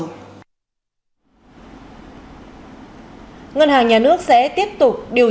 ở ngân hàng nhà nước sẽ tiếp tục điều